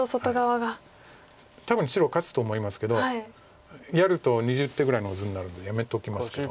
多分白勝つと思いますけどやると２０手ぐらいの図になるんでやめときますけど。